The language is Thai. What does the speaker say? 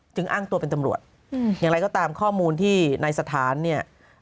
อ้างตัวเป็นตำรวจอย่างไรก็ตามข้อมูลที่ในสถานเนี่ย